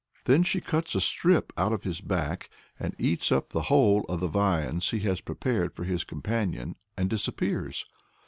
Then she cuts a strip out of his back, eats up the whole of the viands he has prepared for his companions, and disappears.